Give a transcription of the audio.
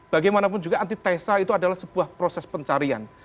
bagaimanapun juga antitesa itu adalah sebuah proses pencarian